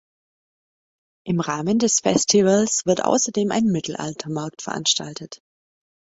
Im Rahmen des Festivals wird außerdem ein Mittelaltermarkt veranstaltet.